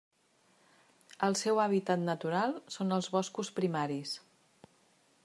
El seu hàbitat natural són els boscos primaris.